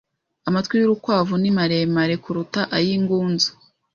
Amatwi yurukwavu ni maremare kuruta ay'ingunzu.